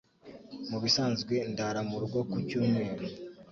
Mubisanzwe, ndara murugo ku cyumweru.